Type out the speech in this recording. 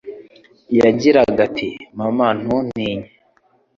Yagira ati: "Mama, ntutinye.